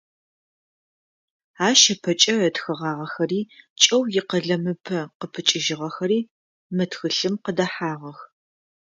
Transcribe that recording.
Ащ ыпэкӏэ ытхыгъагъэхэри, кӏэу икъэлэмыпэ къыпыкӏыгъэхэри мы тхылъым къыдэхьагъэх.